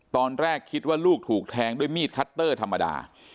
ตอนแรกคิดว่าลูกถูกแทงด้วยมีดคัตเตอร์ธรรมดา